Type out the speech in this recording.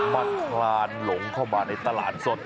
มันคลานหลงเข้ามาในตลาดสด